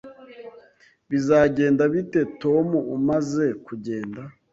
Bizagenda bite Tom umaze kugenda?